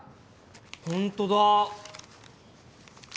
ほんとだ。